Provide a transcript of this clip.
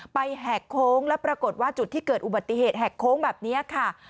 แหกโค้งแล้วปรากฏว่าจุดที่เกิดอุบัติเหตุแหกโค้งแบบนี้ค่ะ